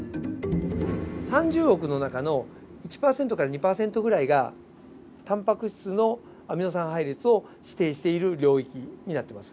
３０億の中の１％から２％ぐらいがタンパク質のアミノ酸配列を指定している領域になってます。